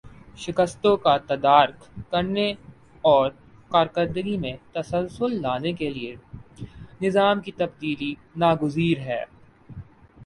شکستوں کا تدارک کرنے اور کارکردگی میں تسلسل لانے کے لیے نظام کی تبدیلی ناگزیر ہے